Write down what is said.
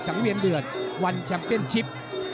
สังเวียนเดือดวันแชมป์เชียนชิป